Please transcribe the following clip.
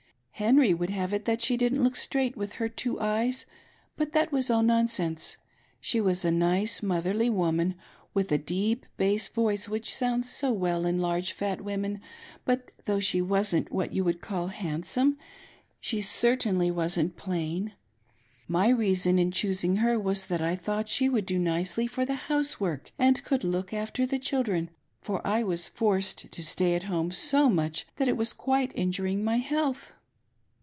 Henry would have it that she didn't look straight with her two eyes, but that was all nonsense. She was a nice, motherly woman, with a deep bass voice which sounds so well in large, fat women ; but though she wasn't what you would call handsome, she certainly wasn't plain. My reason in choosing her was that I thought she would do nicely for the housework and could look after the children, for I was forced to stay at home so much that it was quite injuring my health."